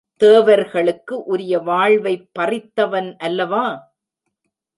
தேவர்களுக்கு உரிய வாழ்வைப் பறித்தவன் அல்லவா?